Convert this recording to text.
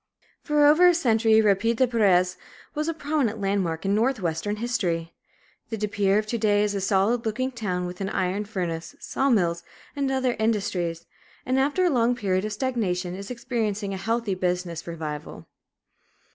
For over a century Rapide des Peres was a prominent landmark in Northwestern history. The Depere of to day is a solid looking town, with an iron furnace, saw mills, and other industries; and after a long period of stagnation is experiencing a healthy business revival.